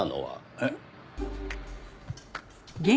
えっ？